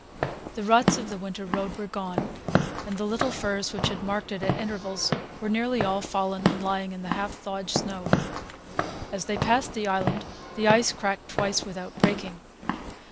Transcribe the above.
The ruts of the winter road were gone, the little firs which had marked it at intervals were nearly all fallen and lying in the half thawed snow; as they passed the island the ice cracked twice without breaking.